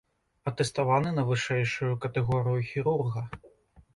Атэставаны на вышэйшую катэгорыю хірурга.